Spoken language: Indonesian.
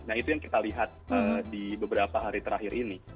nah itu yang kita lihat di beberapa hari terakhir ini